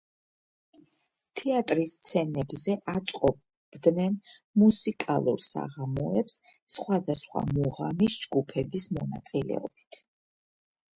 თეატრის სცენებზე აწყობდნენ მუსიკალურ საღამოებს სხვადასხვა მუღამის ჯგუფების მონაწილეობით.